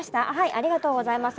ありがとうございます。